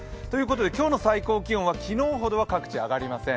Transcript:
今日の最高気温は昨日ほどは各地上がりません。